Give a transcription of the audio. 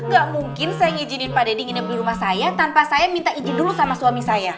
gak mungkin saya ngizinin pak deddy nginep di rumah saya tanpa saya minta izin dulu sama suami saya